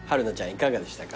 いかがでしたか？